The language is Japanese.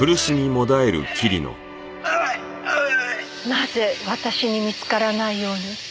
なぜ私に見つからないように？